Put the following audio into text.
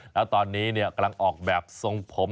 แล้วตอนนี้กำลังออกแบบทรงผม